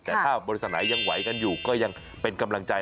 แต่ถ้าบริษัทไหนยังไหวกันอยู่ก็ยังเป็นกำลังใจ